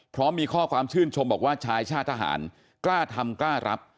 เพราะมีข้อความชื่นชมบอกว่าชายชาติทหารกล้าทำกล้ารับ